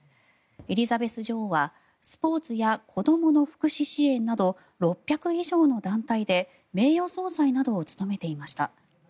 エリザベス女王はスポーツや子どもの福祉支援など６００以上の団体で名誉総裁などを務めていました。